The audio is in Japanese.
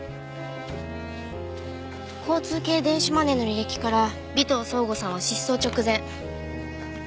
交通系電子マネーの履歴から尾藤奏吾さんは失踪直前。